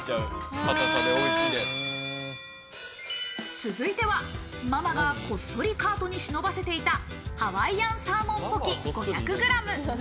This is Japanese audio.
続いては、ママがこっそりカートに忍ばせていたハワイアンサーモンポキ５００ｇ。